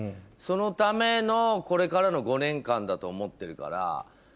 そのためのこれからの５年間だと思ってるから。